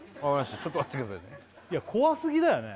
ちょっと待ってくださいねいや怖すぎだよね